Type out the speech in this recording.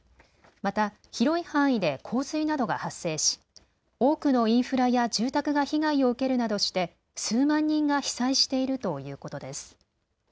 また、広い範囲で洪水などが発生し、多くのインフラや住宅が被害を受けるなどして数万人が被災しているということです。